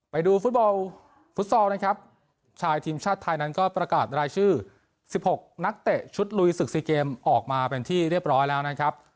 ไปดูฟุตบอลฟุตซอลนะครับชายทีมชาติไทยนั้นก็ประกาศรายชื่อ๑๖นักเตะชุดลุยศึกซีเกมออกมาเป็นที่เรียบร้อยแล้วนะครับ